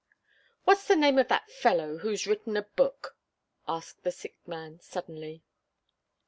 "What's the name of that fellow who's written a book?" asked the sick man, suddenly.